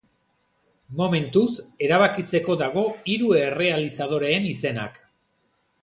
Momentuz, erabakitzeko dago hiru errealizadoreen izenak.